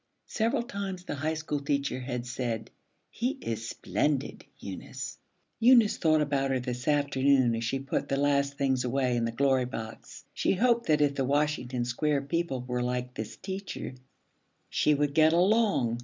Several times the High School teacher had said, 'He is splendid, Eunice.' Eunice thought about her this afternoon as she put the last things away in the Glory Box. She hoped that, if the Washington Square people were like this teacher, she would get along.